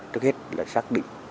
trước hết là xác định cái vấn đề